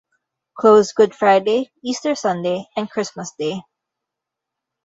Closed Good Friday, Easter Sunday and Christmas Day.